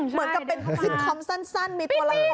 เหมือนกับเป็นซิกคอมสั้นมีตัวละคร